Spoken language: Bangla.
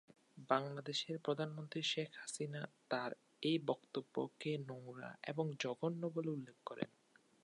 বাংলাদেশের প্রধানমন্ত্রী শেখ হাসিনা তাঁর এই বক্তব্যকে "নোংরা" এবং "জঘন্য" বলে উল্লেখ করেন।